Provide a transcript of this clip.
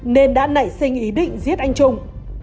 nên đã nảy sinh ý định giết anh trung